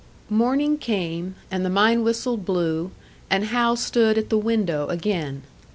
Morning came, and the mine whistle blew, and Hal stood at the window again.